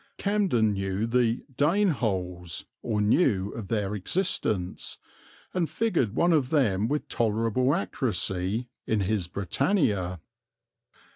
Camden knew the "Dane holes," or knew of their existence, and figured one of them with tolerable accuracy in his Britannia. Dr.